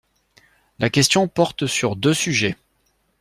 La question porte sur deux sujets.